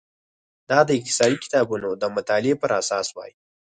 دا د اقتصادي کتابونو د مطالعې پر اساس وای.